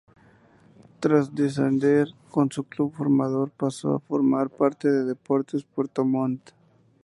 Tras descender con su club formador paso a formar parte de Deportes Puerto Montt.